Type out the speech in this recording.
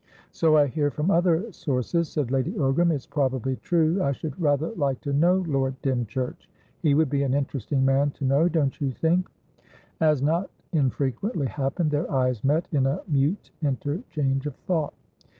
"So I hear from other sources," said Lady Ogram. "It's probably true. I should rather like to know Lord Dymchurch. He would be an interesting man to know, don't you think?" As not infrequently happened, their eyes met in a mute interchange of thought.